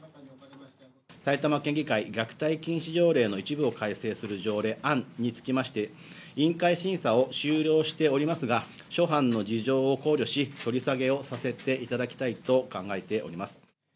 埼玉県議会虐待禁止条例の一部を改正する条例案につきまして、委員会審査を終了しておりますが、諸般の事情を考慮し、取り下げをさせていただきたいと考えております。